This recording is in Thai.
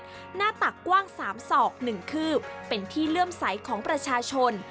หน้าตักกว้าง๓ศอก๑คืบเป็นที่เลื่อมใสของประชาชน